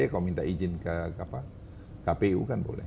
kalau minta izin ke kpu kan boleh